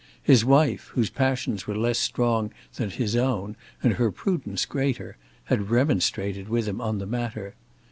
His wife, whose passions were less strong than his own and her prudence greater, had remonstrated with him on the matter.